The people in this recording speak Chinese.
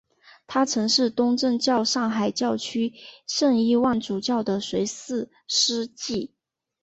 他曾是东正教上海教区圣伊望主教的随侍司祭。